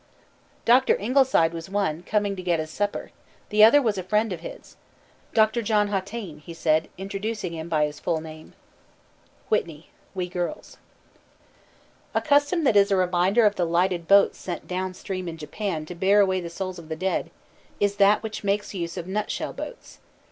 "Doctor Ingleside was one, coming to get his supper; the other was a friend of his.... 'Doctor John Hautayne,' he said, introducing him by his full name." WHITNEY: We Girls. A custom that is a reminder of the lighted boats sent down stream in Japan to bear away the souls of the dead, is that which makes use of nut shell boats.